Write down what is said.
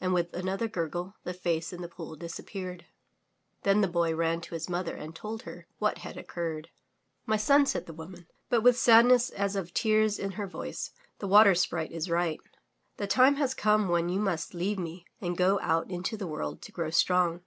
And with another gurgle, the face in the pool disappeared. Then the poy ran to his mother and told her what had occurred. "My son," said the woman, but with sadness as of tears in her voice, "the Water Sprite is right. The time has come when you must leave me and go out into the world to grow strong."